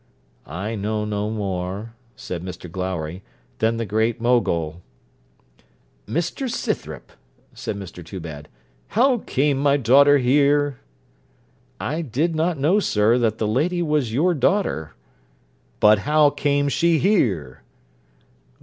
'I know no more,' said Mr Glowry, 'than the Great Mogul.' 'Mr Scythrop,' said Mr Toobad, 'how came my daughter here?' 'I did not know, sir, that the lady was your daughter.' 'But how came she here?'